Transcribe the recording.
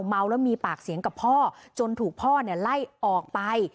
เมาแล้วมีปากเสียงกับพ่อจนถูกพ่อไล่ออกไป